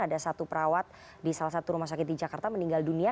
ada satu perawat di salah satu rumah sakit di jakarta meninggal dunia